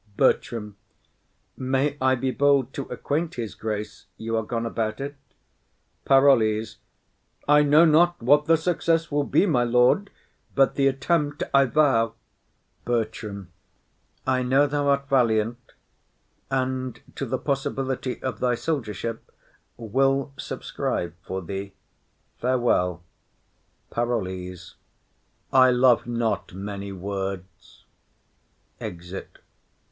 BERTRAM. May I be bold to acquaint his grace you are gone about it? PAROLLES. I know not what the success will be, my lord, but the attempt I vow. BERTRAM. I know th'art valiant; and to the possibility of thy soldiership, will subscribe for thee. Farewell. PAROLLES. I love not many words. [_Exit.